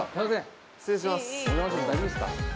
大丈夫ですか。